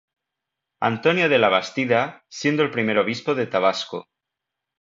Antonio de Labastida, siendo el primer obispo de Tabasco.